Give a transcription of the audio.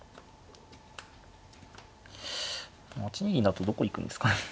８二銀だとどこ行くんですかね。